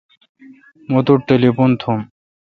مہ توٹھ ٹلیفون تھوم۔